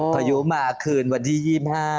พายุมาคืนวันที่๒๕